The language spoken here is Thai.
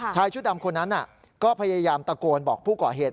ชายชุดดำคนนั้นก็พยายามตะโกนบอกผู้ก่อเหตุ